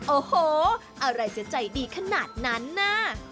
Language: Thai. โอ้โหอะไรจะใจดีขนาดนั้นน่ะ